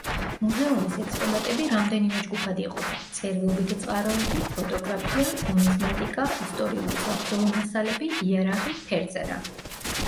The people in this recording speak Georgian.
მუზეუმის ექსპონატები რამდენიმე ჯგუფად იყოფა: „წერილობითი წყაროები“, „ფოტოგრაფია“, „ნუმიზმატიკა“, „ისტორიული საბრძოლო მასალები“, „იარაღი“, „ფერწერა“.